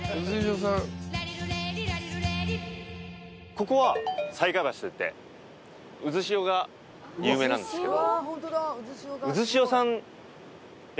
ここは西海橋といって渦潮が有名なんですけど。